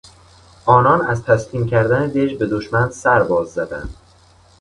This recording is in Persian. آنان از تسلیم کردن دژ به دشمن سرباز زدند.